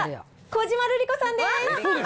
小島瑠璃子さんです。